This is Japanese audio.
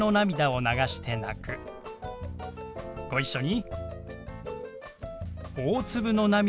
ご一緒に。